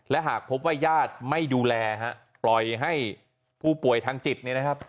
และหากพบว่าญาติไม่ดูแลฮะปล่อยให้ผู้ป่วยทางจิตเนี่ยนะครับ